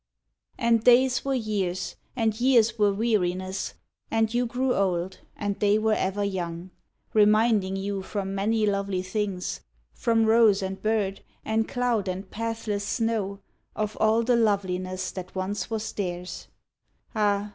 "And days were years, and years were weariness, And you grew old, and they were ever young, Reminding you from many lovely things, From rose and bird and cloud and pathless snow, Of all the loveliness that once was theirs Ah